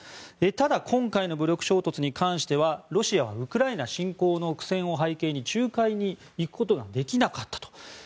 ただ今回の武力衝突に関してはロシアはウクライナ侵攻の苦戦を背景に仲介に行くことができなかったと。